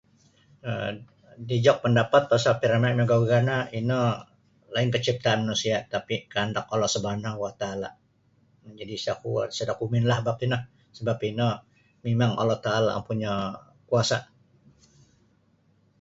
um dijok pandapat pasal pariama' no miugah-ugah no ino lainkah ciptaan manusia' tapi' kahandak Allah subhanawataala' jadi' sa kuo sada' komenlah bab tino sebap ino mimang Allah taala' ompunyo kuasa'.